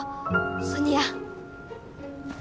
ソニア！